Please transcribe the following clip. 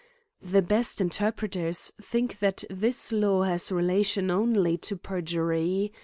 ^^ The best in terpreters think that this law has relation only to perjury.